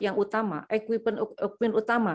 yang utama equipment utama